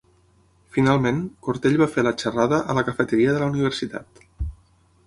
Finalment, Cortell va fer la xerrada a la cafeteria de la universitat.